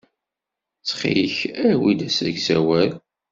Ttxil-k awi-d asegzawal.